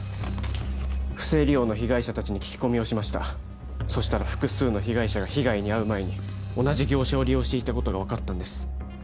不正利用の被害者達に聞き込みをしましたそしたら複数の被害者が被害に遭う前に同じ業者を利用していたことが分かったんです